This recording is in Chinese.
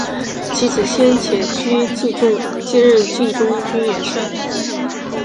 其子先且居继任晋中军元帅。